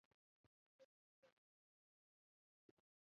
سترګې يې ورڅخه وشکولې.